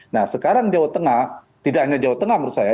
nah sekarang jawa tengah tidak hanya jawa tengah menurut saya